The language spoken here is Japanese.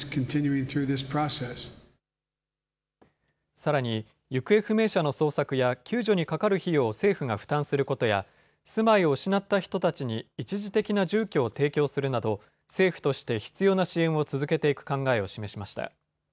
さらに、行方不明者の捜索や救助にかかる費用を政府が負担することや住まいを失った人たちに一時的な住居を提供するなど政府として必要な支援を続けていく考えを示しました。